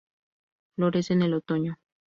Florece en el otoño.